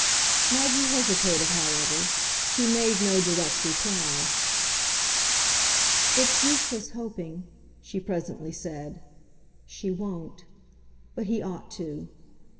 Maggie hesitated, however; she made no direct reply. "It's useless hoping," she presently said. "She won't. But he ought to."